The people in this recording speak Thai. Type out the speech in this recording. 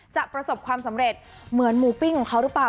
ประสบความสำเร็จเหมือนหมูปิ้งของเขาหรือเปล่า